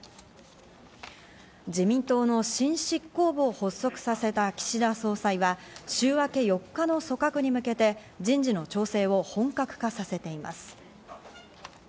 自民党の新執行部を発足させた岸田総裁は、週明け４日の組閣に向けて人事の調整を本格化させています。